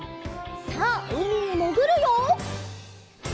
さあうみにもぐるよ！